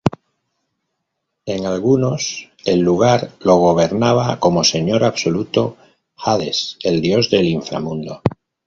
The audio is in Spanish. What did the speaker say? En algunos, el lugar lo gobernaba como señor absoluto Hades, el dios del inframundo.